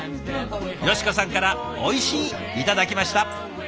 佳香さんから「おいしい」頂きました。